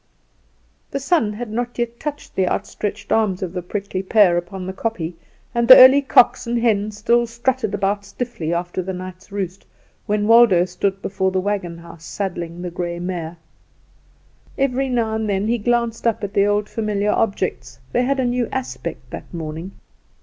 The sun had not yet touched the outstretched arms of the prickly pear upon the kopje, and the early cocks and hens still strutted about stiffly after the night's roost, when Waldo stood before the wagon house saddling the grey mare. Every now and then he glanced up at the old familiar objects: they had a new aspect that morning.